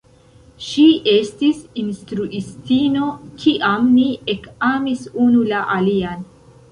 Ŝi estis instruistino, kiam ni ekamis unu la alian.